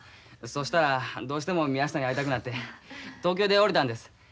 そしたらどうしても宮下に会いたくなって東京で降りたんです。